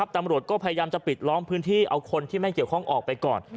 ตำรวจก็พยายามจะปิดล้อมพื้นที่เอาคนที่ไม่เกี่ยวข้องออกไปก่อน